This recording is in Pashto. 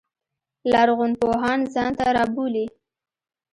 لرغون پوهان ځان ته رابولي.